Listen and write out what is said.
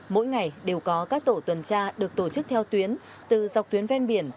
mỗi ngày đều có các tổ tuần tra được tổ chức theo tuyến từ dọc tuyến ven biển